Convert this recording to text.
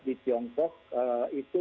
di tiongkok itu